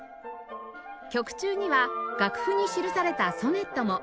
曲中には楽譜に記されたソネットも